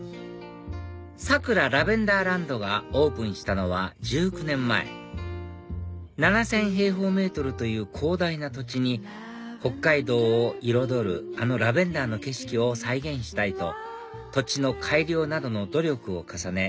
佐倉ラベンダーランドがオープンしたのは１９年前７０００平方メートルという広大な土地に北海道を彩るあのラベンダーの景色を再現したいと土地の改良などの努力を重ね